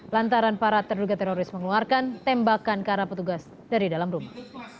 lantaran para terduga teroris mengeluarkan tembakan ke arah petugas dari dalam rumah